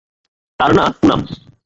তার না পুনাম।